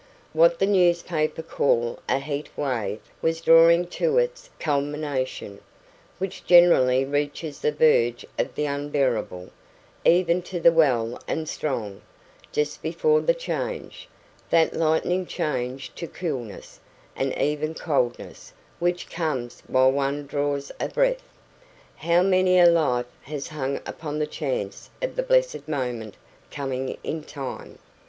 What the newspapers call a heat wave was drawing to its culmination, which generally reaches the verge of the unbearable, even to the well and strong, just before the "change" that lightning change to coolness, and even coldness, which comes while one draws a breath. How many a life has hung upon the chance of the blessed moment coming in time!